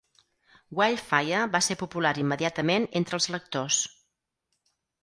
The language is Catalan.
Wildfire va ser popular immediatament entre els lectors.